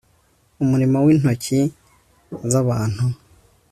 umurimo w intoki z abantu